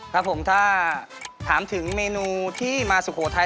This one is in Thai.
ครับผมถ้าถามถึงเมนูที่มาสุโขทัย